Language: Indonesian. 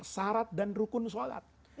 sarat dan rukun sholat